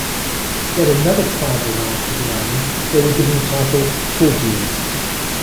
When another tribe arrived to the Island, they were given the title 'Short Ears'.